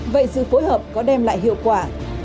vậy sự phối hợp có đem lại hiệu quả